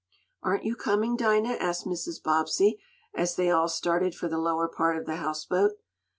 "Aren't you coming, Dinah?" asked Mrs. Bobbsey, as they all started for the lower part of the houseboat.